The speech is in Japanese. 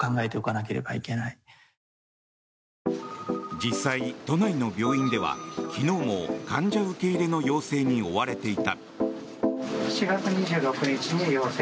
実際、都内の病院では昨日も患者受け入れの要請に追われていた。